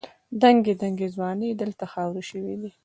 دنګې دنګې ځوانۍ دلته خاورې شوې دي.